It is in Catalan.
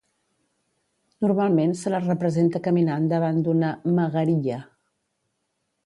Normalment se la representa caminant davant d'una "magariya".